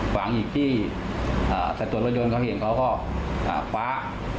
ขวางอีกที่สัดส่วนรถยนต์เขาเห็นเขาก็คว้า